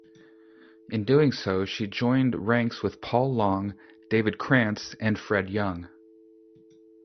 In doing so, she joined ranks with Paul Long, David Crantz, and Fred Young.